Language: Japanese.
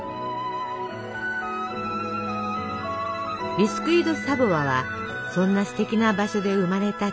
ビスキュイ・ド・サヴォワはそんなすてきな場所で生まれた地方菓子。